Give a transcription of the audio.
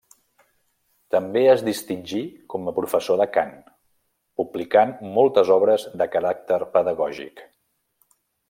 També es distingí com a professor de cant, publicant moltes obres de caràcter pedagògic.